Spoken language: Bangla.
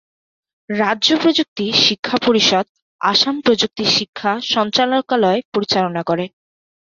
রাজ্য প্রযুক্তি শিক্ষা পরিষদ আসাম প্রযুক্তি শিক্ষা সঞ্চালকালয় পরিচালনা করে।